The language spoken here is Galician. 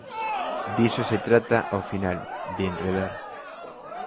Diso se trata ao final, de enredar.